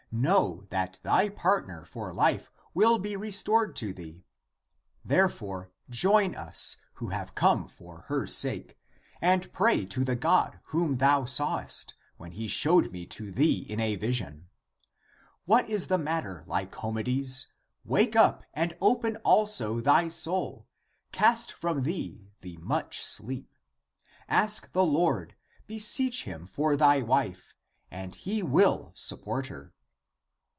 Know that thy partner for life will be restored to thee. Therefore join us, who have come for her sake, and pray to the God whom thou sawest, when He showed me to thee in a vision ! What is the mat ter, Lycomedes ? Wake up and open also thy soul ! Cast from thee the much sleep! Ask the Lord, beseech Him for thy wife, and He will support her."